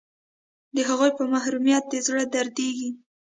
د هغوی په محرومیت دې زړه دردیږي